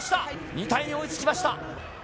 ２対２に追いつきました。